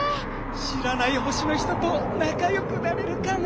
しらない星の人となかよくなれるかなあ。